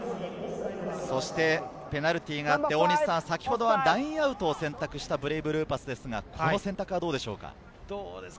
ペナルティーがあって、先ほどはラインアウトを選択したブレイブルーパスですが、この選択はどうでしょうか？